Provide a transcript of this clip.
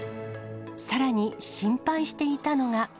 さらに心配していたのが。